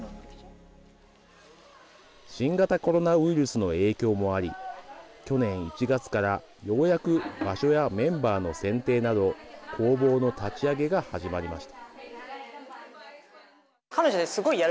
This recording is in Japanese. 新型コロナウイルスの影響もあり去年１月からようやく場所やメンバーの選定など工房の立ち上げが始まりました。